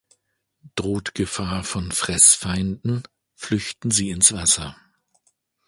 Droht Gefahr von Fressfeinden, flüchten sie ins Wasser.